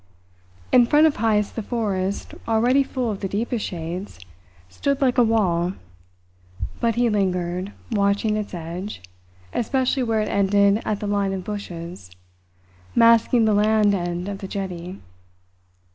In front of Heyst the forest, already full of the deepest shades, stood like a wall. But he lingered, watching its edge, especially where it ended at the line of bushes, masking the land end of the jetty.